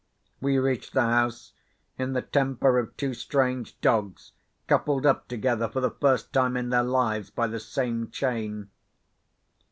We reached the house, in the temper of two strange dogs, coupled up together for the first time in their lives by the same chain.